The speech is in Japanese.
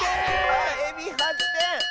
あっエビ８てん！